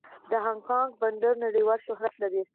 د هانګ کانګ بندر نړیوال شهرت لري.